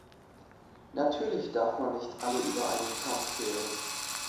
Natürlich darf man nicht alle über einen Kamm scheren.